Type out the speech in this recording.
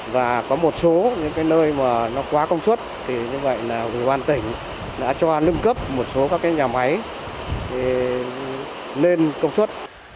và có một số những cái nơi mà nó quá công suất thì như vậy là ủy ban tỉnh đã cho lưng cấp một số các nhà máy lên công suất